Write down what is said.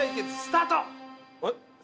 えっ？